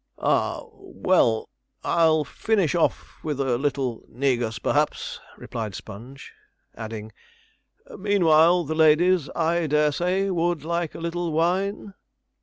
'Ah well, I'll finish off with a little negus, perhaps,' replied Sponge, adding, 'meanwhile the ladies, I dare say, would like a little wine.'